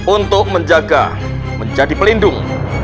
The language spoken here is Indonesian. untuk menjaga menjadi pelindung